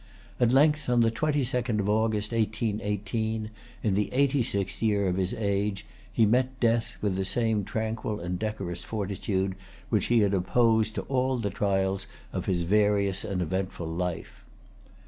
At length, on the twenty second of August, 1818, in the eighty sixth year of his age, he met death with the same tranquil and decorous fortitude which he had opposed to all the trials of his various and eventful life.